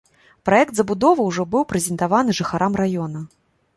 Праект забудовы ўжо быў прэзентаваны жыхарам раёна.